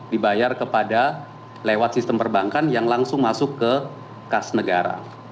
dibayar kepada lewat sistem perbankan yang langsung masuk ke kas negara